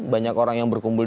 banyak orang yang berkumpul